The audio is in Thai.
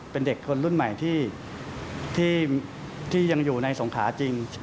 เป็นเด็กคนรุ่นใหม่ที่ยังอยู่ในสงขาจริง